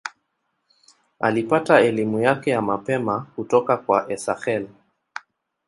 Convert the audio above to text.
Alipata elimu yake ya mapema kutoka kwa Esakhel.